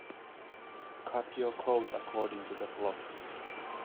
Cut your coat according to the cloth.